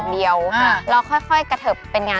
๔ปีแล้วค่อยพัฒนา